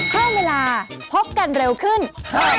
เพิ่มเวลาพบกันเร็วขึ้น